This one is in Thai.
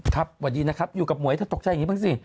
สวัสดีนะครับอยู่กับหมวยเธอตกใจอย่างนี้บ้างสิ